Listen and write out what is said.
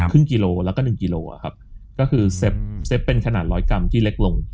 ครึ่งกิโลแล้วก็๑กิโลก็คือเซ็ปเป็นขนาด๑๐๐กรัมที่เล็กลง